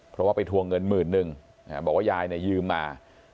เพราะว่าไปทวงเงินหมื่นนึงบอกว่ายายเนี่ยยืมมา